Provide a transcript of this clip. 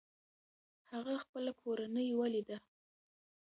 هغه خپله کورنۍ وليده.